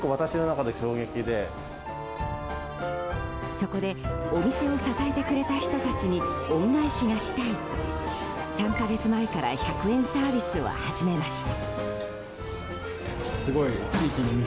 そこでお店を支えてくれた人たちに恩返しがしたいと、３か月前から１００円サービスを始めました。